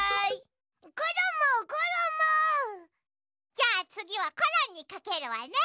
じゃあつぎはコロンにかけるわね。